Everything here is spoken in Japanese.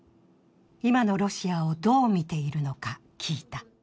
今のロシアをどう見ているのか聞いた。